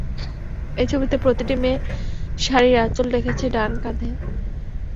এই ছবিতে প্রতিটি মেয়ে শাড়ির আঁচল রেখেছে ডান কাঁধে।